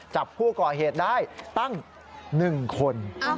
จับผู้ก่อเหตุได้ตั้ง๑คน